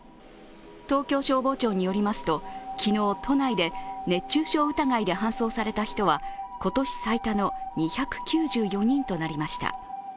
東京消防庁によりますと昨日、都内で熱中症疑いで搬送された人は今年最多の２９４人となりました。